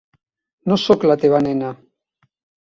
No sóc la teva nena?